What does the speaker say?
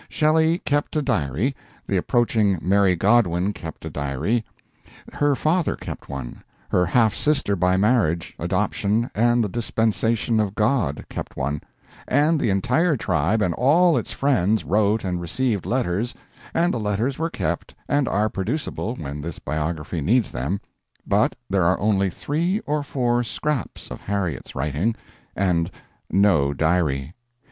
Shelley kept a diary, the approaching Mary Godwin kept a diary, her father kept one, her half sister by marriage, adoption, and the dispensation of God kept one, and the entire tribe and all its friends wrote and received letters, and the letters were kept and are producible when this biography needs them; but there are only three or four scraps of Harriet's writing, and no diary.